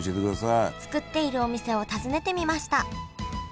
作っているお店を訪ねてみました。